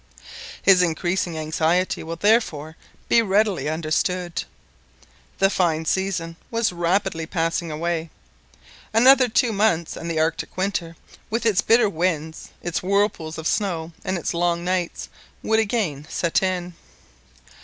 His increasing anxiety will therefore be readily understood. The fine season was rapidly passing away. Another two months and the Arctic winter, with its bitter winds, its whirlpools of snow, and its long nights, would again set in.